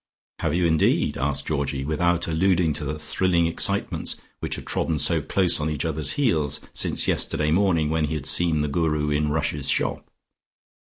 "Have you indeed?" asked Georgie, without alluding to the thrilling excitements which had trodden so close on each other's heels since yesterday morning when he had seen the Guru in Rush's shop.